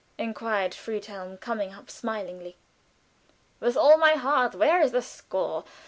inquired Helfen, coming up smilingly. "With all my heart. Where is the score?"